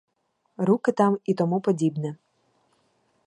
Руки там і тому подібне.